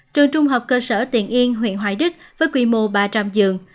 trường trung học cơ sở tiền yên huyện hoài đức với quy mô ba trăm linh giường